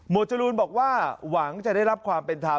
จรูนบอกว่าหวังจะได้รับความเป็นธรรม